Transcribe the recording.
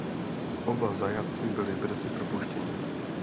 Oba zajatci byli brzy propuštěni.